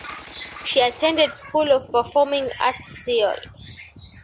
She attended School of Performing Arts Seoul.